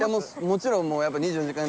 もちろん。